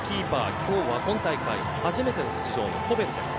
今日は今大会始めての出場のコベルです。